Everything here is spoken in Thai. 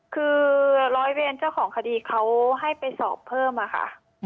คือร้อยเวรเจ้าของคดีเขาให้ไปสอบเพิ่มค่ะ